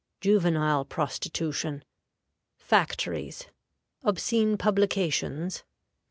Juvenile Prostitution. Factories. Obscene Publications.